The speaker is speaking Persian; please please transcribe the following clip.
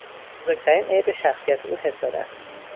بزرگترین عیب شخصیت او حسادت بود.